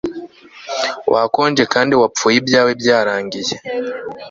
Wakonje kandi wapfuye ibyawe byarangiye